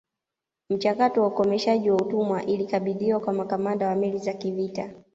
Mchakato wa ukomeshaji wa utumwa ilikabidhiwa kwa makamanda wa meli za kivita